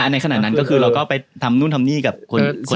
ในขณะนั้นก็คือเราก็ไปทำนู่นทำนี่กับคน